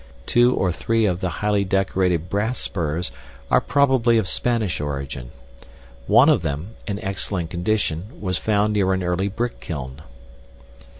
Two or three of the highly decorated brass spurs are probably of Spanish origin. One of them, in excellent condition, was found near an early brick kiln.